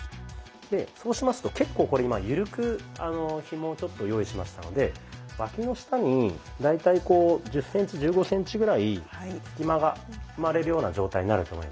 でそうしますと結構これ今ゆるくひもを用意しましたので脇の下に大体１０センチ１５センチぐらい隙間が生まれるような状態になると思います。